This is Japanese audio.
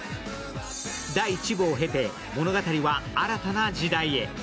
第１部を経て、物語は新たな時代へ。